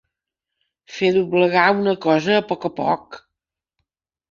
Fer doblegar una cosa a poc a poc.